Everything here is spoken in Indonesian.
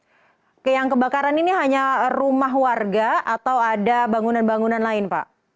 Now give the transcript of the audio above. oke yang kebakaran ini hanya rumah warga atau ada bangunan bangunan lain pak